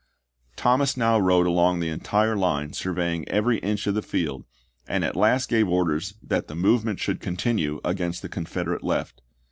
Thomas now rode along the entire line surveying every inch of the field, and at last gave orders that the movement should continue against the Confederate left.